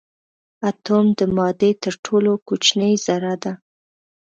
اتوم د مادې تر ټولو کوچنۍ ذره ده.